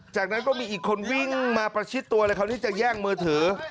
จากนั้นก็มีอีกคนวิ่งมาประชิดตัวเลยคราวนี้จะแย่งมือถือ